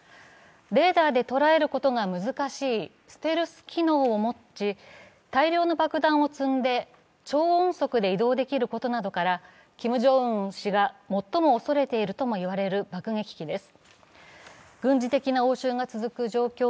レーダーで捉えることが難しいステルス機能を持ち大量の爆弾を積んで超音速で移動できることなどから、キム・ジョンウン氏が最も恐れているともいわれる爆撃機です。